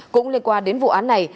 cũng liên quan đến vụ án này